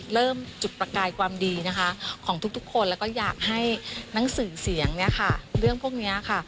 เริ่มจุดประกายความดีของทุกคนแล้วก็อยากให้หนังสือเสียงเรื่องพวกนี้